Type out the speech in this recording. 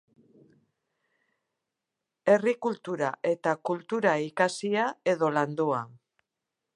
Herri kultura eta kultura ikasia edo landua.